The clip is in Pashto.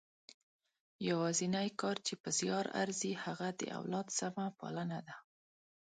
یوازنۍ کار چې په زیار ارزي هغه د اولاد سمه پالنه ده.